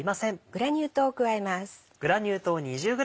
グラニュー糖を加えます。